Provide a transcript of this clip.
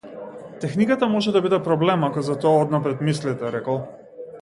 Техниката може да биде проблем ако за тоа однапред мислите, рекол.